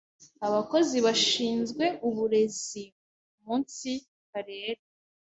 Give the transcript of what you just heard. abakozi bashinzwe uburezi umunsi Karere